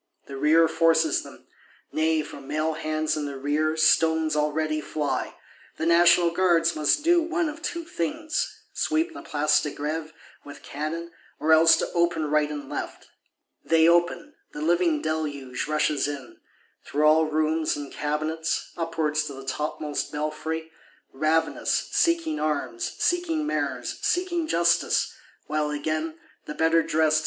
The rear forces them; nay, from male hands in the rear, stones already fly: the National Guards must do one of two things; sweep the Place de Grève with cannon, or else open to right and left. They open; the living deluge rushes in. Through all rooms and cabinets, upwards to the topmost belfry: ravenous; seeking arms, seeking Mayors, seeking justice;—while, again, the better cressed (dressed?)